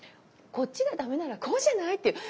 こっちが駄目ならこうじゃないって。